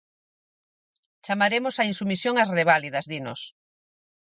Chamaremos á insubmisión ás reválidas, dinos.